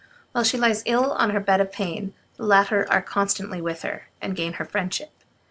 While she lies ill on a bed of pain, the latter are constantly with her, and gain her friendship.